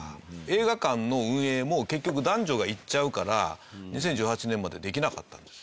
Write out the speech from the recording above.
映画館の運営も結局男女が行っちゃうから２０１８年までできなかったんです。